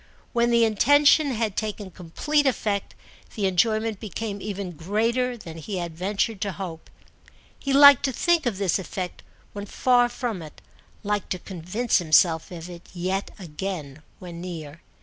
When the intention had taken complete effect the enjoyment became even greater than he had ventured to hope. He liked to think of this effect when far from it, liked to convince himself of it yet again when near.